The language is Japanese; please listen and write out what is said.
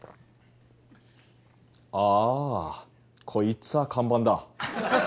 ああこいつは看板だ。